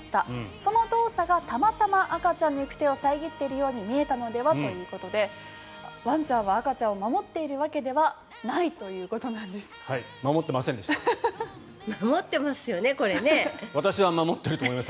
その動作がたまたま赤ちゃんの行く手を遮っているように見えたのではということでワンちゃんは赤ちゃんを守っているわけではないということなんです。